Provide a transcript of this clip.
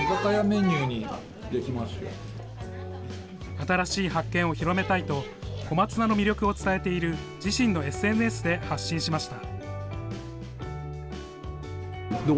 新しい発見を広めたいと小松菜の魅力を伝えている自身のＳＮＳで発信しました。